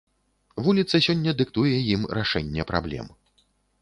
Вуліца сёння дыктуе ім рашэнне праблем.